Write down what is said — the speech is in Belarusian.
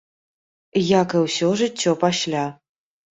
Як і ўсё жыццё пасля.